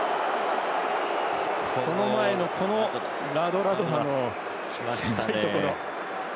その前のラドラドラの狭いところ。